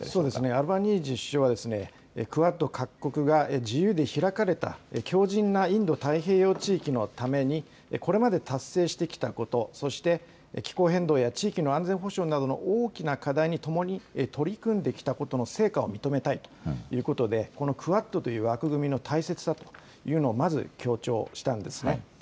アルバニージー首相は、クアッド各国が自由で開かれた強じんなインド太平洋地域のために、これまで達成してきたこと、そして、気候変動や地域の安全保障などの大きな課題に共に取り組んできたことの成果を認めたいということで、このクアッドという枠組みの大切さというのをまず強調したんですね。